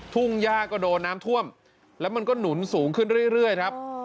ทุ่งย่าก็โดนน้ำท่วมแล้วมันก็หนุนสูงขึ้นเรื่อยครับ